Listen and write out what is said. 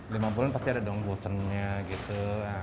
lima bulan pasti ada dong bosennya gitu